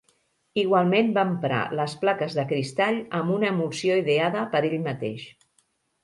Igualment va emprar les plaques de cristall amb una emulsió ideada per ell mateix.